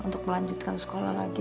untuk melanjutkan sekolah lagi